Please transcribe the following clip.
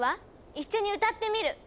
一緒に歌ってみる。